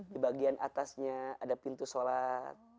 di bagian atasnya ada pintu sholat